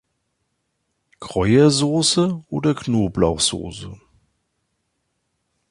Kräuersoße oder Knoblauchsoße?